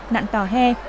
nạn tỏa he